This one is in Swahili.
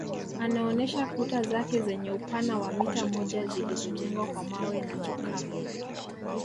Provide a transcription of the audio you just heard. Anaonesha kuta zake zenye upana wa mita moja zilizojengwa kwa mawe na chokaa